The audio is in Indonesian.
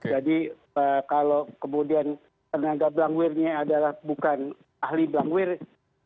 jadi kalau kemudian tenaga blankware nya adalah bukan ahli blankware